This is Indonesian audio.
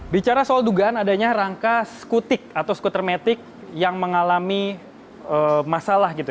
bicara soal dugaan adanya rangka skutik atau skuter metik yang mengalami masalah gitu